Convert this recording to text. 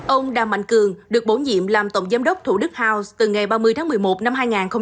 ông đàm mạnh cường được bổ nhiệm làm tổng giám đốc thủ đức house từ ngày ba mươi tháng một mươi một năm hai nghìn một mươi chín